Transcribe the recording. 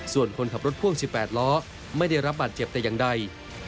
ส่วนคนขับรถพ่วง๑๘ล้อไม่ได้รับบาดเจ็บแต่อย่างใด